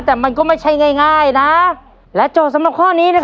แต่มันก็ไม่ใช่ง่ายง่ายนะและโจทย์สำหรับข้อนี้